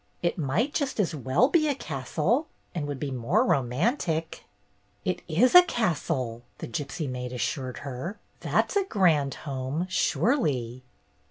"It might just as well be a castle, and would be more romantic." "It is a castle," the gypsy maid assured her. "That 's a grand home, surely."